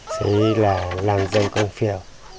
sẽ là làm dân công phiểu